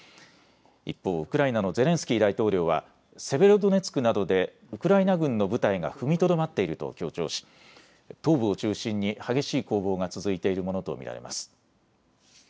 一方、ウクライナのゼレンスキー大統領は、セベロドネツクなどでウクライナ軍の部隊が踏みとどまっていると強調し、東部を中心に激しい攻防が続いているものと見られます。